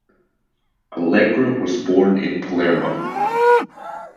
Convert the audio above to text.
Allegra was born in Palermo.